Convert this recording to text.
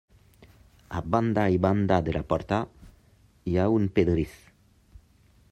A banda i banda de la porta, hi ha un pedrís.